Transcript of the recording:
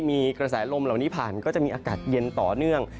มีกระแสลมเหล่านี้ผ่านก็จะมีอากาศเย็นต่อเนื่อง